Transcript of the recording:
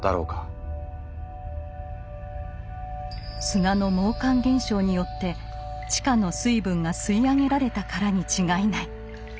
砂の毛管現象によって地下の水分が吸い上げられたからに違いない。